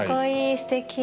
すてき。